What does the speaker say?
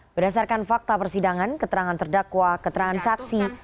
berdasarkan fakta persidangan keterangan terdakwa keterangan saksi